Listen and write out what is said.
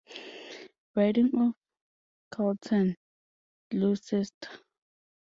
"Riding of Carleton-Gloucester"